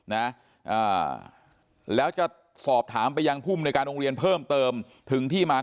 นะอ่าแล้วจะสอบถามไปยังภูมิในการโรงเรียนเพิ่มเติมถึงที่มา